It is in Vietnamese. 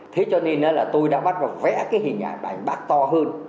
thế cho nên là tôi đã bắt và vẽ cái hình ảnh bác to hơn